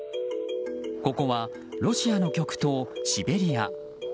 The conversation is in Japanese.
ここはロシアの極東シベリア。